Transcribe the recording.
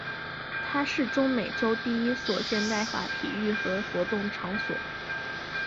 它是中美洲第一座现代化体育和活动场馆。